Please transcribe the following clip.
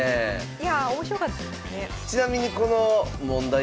いやあ面白かったですね。